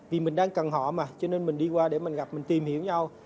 vì mình đang cần họ mà cho nên mình đi qua để mình gặp mình tìm hiểu nhau